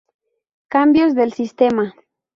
Cambios del sistema.